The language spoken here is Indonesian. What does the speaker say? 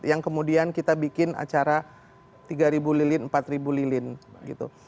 yang kemudian kita bikin acara tiga ribu lilin empat lilin gitu